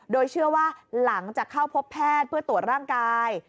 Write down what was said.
โดยเชื่อว่าหลังจากเข้าพบแพทย์เพื่อตรวจร่างกาย